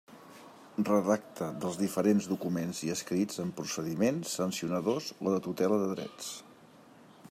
Redacta dels diferents documents i escrits en procediments sancionadors o de tutela de drets.